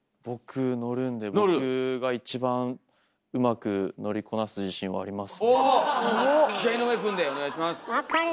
僕乗るんで僕が一番うまく乗りこなす自信はありますね。